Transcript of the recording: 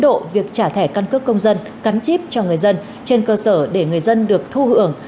độ việc trả thẻ căn cước công dân cắn chip cho người dân trên cơ sở để người dân được thu hưởng